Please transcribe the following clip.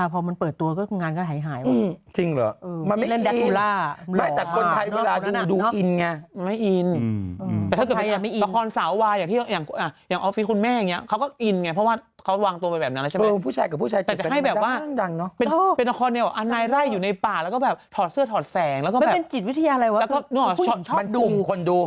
ช่องวางตัวเองมั้ยหรือว่าช่องวางตัวเองมั้ยหรือว่าช่องวางตัวเองมั้ยหรือว่าช่องวางตัวเองมั้ยหรือว่าช่องวางตัวเองมั้ยหรือว่าช่องวางตัวเองมั้ยหรือว่าช่องวางตัวเองมั้ยหรือว่าช่องวางตัวเองมั้ยหรือว่าช่องวางตัวเองมั้ยหรือว่าช่องวางตัวเองมั้ยหรือว่าช่องวางตัวเองม